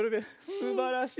すばらしい。